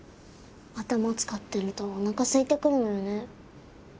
頭を使ってるとおなかすいてくるのよね。